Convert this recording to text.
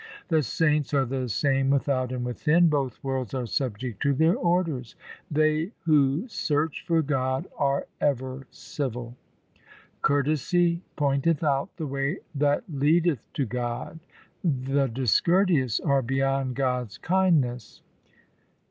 The saints are the same without and within ; Both worlds are subject to their orders. They who search for God are ever civil. Courtesy pointeth out the way that leadeth to God. The discourteous are beyond God's kindness.